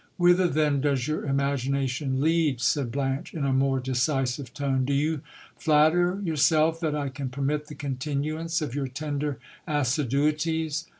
Whither then does your imagina tion lead ? said Blanche, in a more decisive tone. Do you flatter yourself that I cm permit the continuance of your tender assiduities